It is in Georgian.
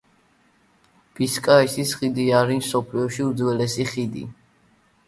ბისკაიის ხიდი არის მსოფლიოს უძველესი ხიდი.